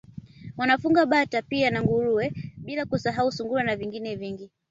Wanafuga Bata pia na Nguruwe bila kusahau Sungura na vingine vingi